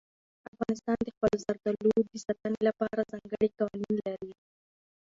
افغانستان د خپلو زردالو د ساتنې لپاره ځانګړي قوانین لري.